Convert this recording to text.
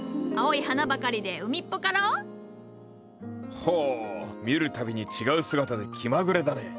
ほお見る度に違う姿で気まぐれだね。